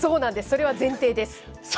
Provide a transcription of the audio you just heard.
それは前提です。